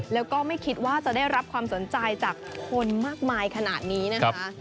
แล้วก็ไม่คิดว่าจะได้รับความสนใจจากคนมากมายขนาดนี้นะคะ